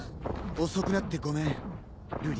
遅くなってごめん瑠璃。